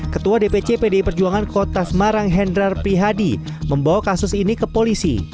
ketua dpc pdi perjuangan kota semarang hendrar prihadi membawa kasus ini ke polisi